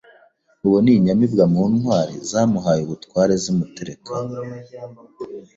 Uwo ni inyamibwa mu ntwari Zamuhaye ubutware Zimuterekaho